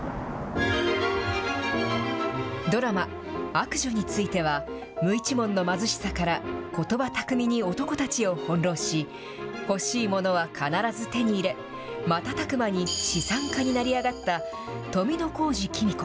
ドラマ、悪女については、無一文の貧しさから、ことば巧みに男たちを翻弄し、欲しいものは必ず手に入れ、瞬く間に試算かに成り上がった富小路公子。